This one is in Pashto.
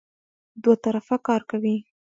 دوه طرفه کار کوي.